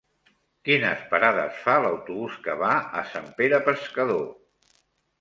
Quines parades fa l'autobús que va a Sant Pere Pescador?